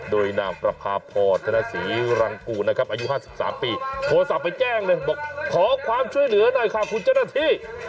โดยนามประพาพอร์ตธนาศีรังกูนะครับอายุห้าสิบสามปีโทรศัพท์ไปแจ้งเลยบอกขอความช่วยเหลือหน่อยค่ะคุณธนาธิ